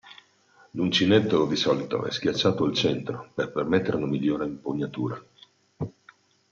L'uncinetto di solito è schiacciato al centro per permettere una migliore impugnatura.